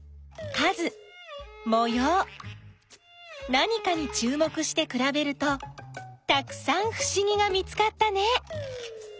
何かにちゅう目してくらべるとたくさんふしぎが見つかったね。